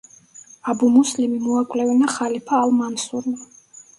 აბუ მუსლიმი მოაკვლევინა ხალიფა ალ-მანსურმა.